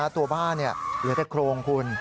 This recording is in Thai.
ตัวบ้านเหลือแต่โครงคุณ